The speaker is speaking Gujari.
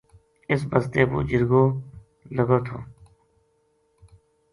اس بسطے وہ جرگو لگو تھو